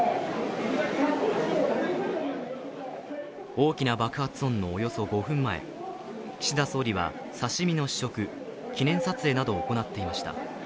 大きな爆発音のおよそ５分前、岸田総理は刺身の試食、記念撮影などを行っていました。